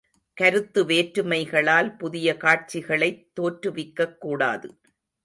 கருத்து வேற்றுமைகளால் புதிய காட்சிகளைத் தோற்றுவிக்கக் கூடாது.